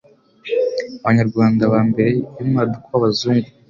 abanyarwanda ba mbere y'umwaduko w'Abazungu